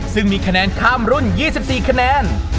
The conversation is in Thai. ซึ่งมีคะแนนข้ามรุ่น๒๔คะแนน